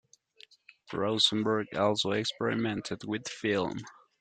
Rosenberg also experimented with film.